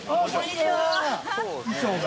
衣装が。